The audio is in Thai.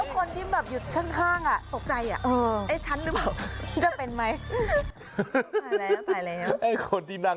คนที่อยู่ข้างปกใจอ่ะ